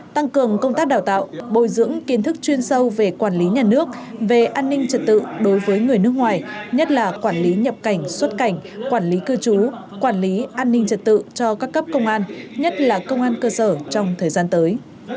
tăng cường công tác đào tạo bồi dưỡng kiến thức chuyên sâu về quản lý nhà nước về an ninh trật tự đối với người nước ngoài nhất là quản lý nhập cảnh xuất cảnh quản lý cư trú quản lý an ninh trật tự cho các cấp công an nhất là công an cơ sở trong thời gian tới